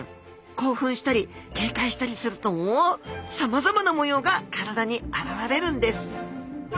興奮したり警戒したりするとさまざまな模様が体にあらわれるんです